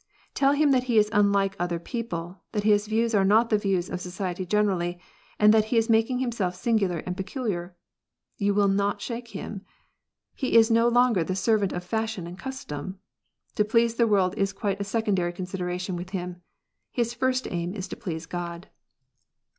Tell him that he is unlike other people, that his views are not the views of society .generally, and that he is making himself singular and peculiar. You will not shake him. He is no longer the servant of fashion and custom. To please the world is quite a secondary consideration with him. His first aim is to please God.